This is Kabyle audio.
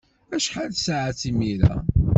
Acḥal tasaɛet imir-a?